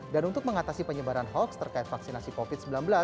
dan untuk mengatasi penyebaran hoaks terkait vaksinasi covid sembilan belas